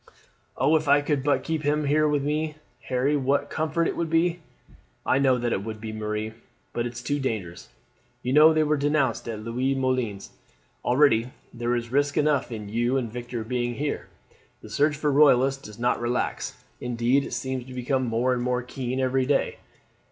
"Oh, if I could but keep them here with me, Harry, what a comfort it would be!" "I know that it would, Marie; but it is too dangerous. You know they were denounced at Louise Moulin's. Already there is risk enough in you and Victor being here. The search for Royalists does not relax, indeed it seems to become more and more keen every day.